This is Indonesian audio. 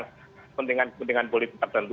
kepentingan kepentingan politik tertentu